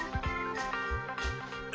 え